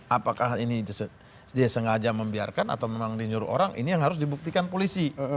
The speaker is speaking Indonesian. apakah ini dia sengaja membiarkan atau memang disuruh orang ini yang harus dibuktikan polisi